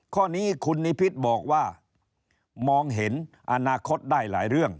ข้อนี้คุณนิพิษบอกว่ามองเห็นอนาคตได้หลายเรื่อง